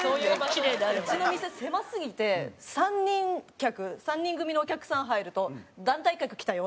うちの店狭すぎて３人客３人組のお客さん入ると「団体客来たよ」